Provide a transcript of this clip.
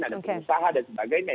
ada perusahaan dan sebagainya